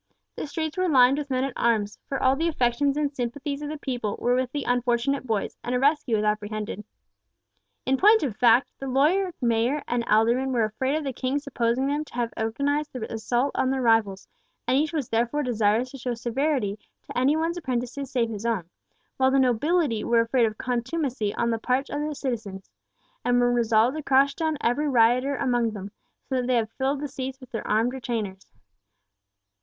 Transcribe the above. The streets were lined with men at arms, for all the affections and sympathies of the people were with the unfortunate boys, and a rescue was apprehended. In point of fact, the Lord Mayor and aldermen were afraid of the King's supposing them to have organised the assault on their rivals, and each was therefore desirous to show severity to any one's apprentices save his own; while the nobility were afraid of contumacy on the part of the citizens, and were resolved to crush down every rioter among them, so that they had filled the city with their armed retainers.